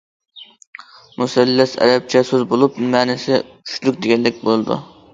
مۇسەللەس ئەرەبچە سۆز بولۇپ، مەنىسى ئۈچلۈك دېگەنلىك بولىدۇ.